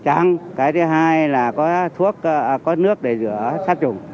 thứ thứ hai là có thuốc có nước để rửa sát chủng